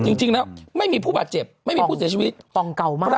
จริงแล้วไม่มีผู้บาดเจ็บไม่มีผู้เสียชีวิตกล่องเก่ามาก